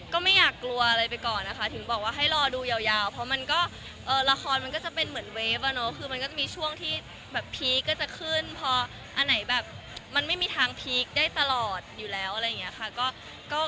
ก็ไม่อยากกลัวอะไรไปก่อนนะคะถึงบอกว่าให้รอดูยาวเพราะมันก็ละครมันก็จะเป็นเหมือนเวฟอะเนาะคือมันก็จะมีช่วงที่แบบพีคก็จะขึ้นพออันไหนแบบมันไม่มีทางพีคได้ตลอดอยู่แล้วอะไรอย่างนี้ค่ะ